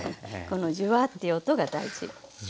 このジュワーッていう音が大事。